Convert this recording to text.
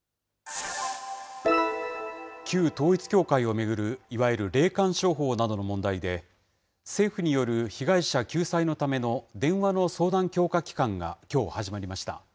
旧統一教会を巡る、いわゆる霊感商法などの問題で、政府による被害者救済のための電話の相談強化期間がきょう、始まりました。